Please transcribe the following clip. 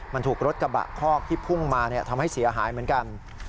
มันถูกรถกระบะคอกที่พุ่งมาทำให้เสียหายเหมือนกัน